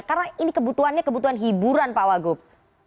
karena ini kebutuhannya kebutuhan hiburan pak wagub